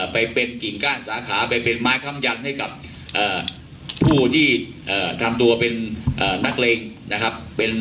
ไปเป็นกิ่งก้านสาขาไปเป็นไม้คำยันให้กับผู้ที่ทำตัวเป็นนักเลงนะครับ